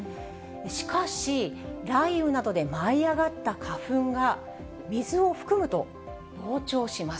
しかし、雷雨などで舞い上がった花粉が水を含むと、膨張します。